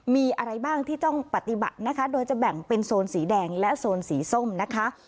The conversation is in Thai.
มีอะไรบ้างที่ต้องปฏิบัตินะคะโดยจะแบ่งเป็นโซนสีแดงและโซนสีส้มนะคะ